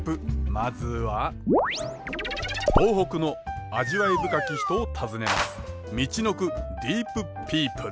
まずは東北の味わい深き人を訪ねます。